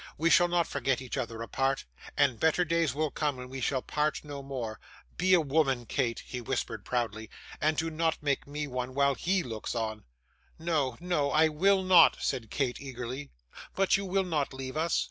We shall not forget each other apart, and better days will come when we shall part no more. Be a woman, Kate,' he whispered, proudly, 'and do not make me one, while HE looks on.' 'No, no, I will not,' said Kate, eagerly, 'but you will not leave us.